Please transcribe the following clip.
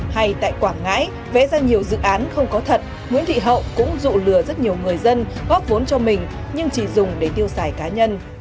hay tại quảng ngãi vẽ ra nhiều dự án không có thật nguyễn thị hậu cũng dụ lừa rất nhiều người dân góp vốn cho mình nhưng chỉ dùng để tiêu xài cá nhân